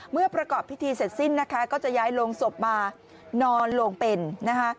เมื่อประกอบพิธีเสร็จสิ้นนะคะก็จะย้ายโรงศพมานอนโลงเป็นนะคะ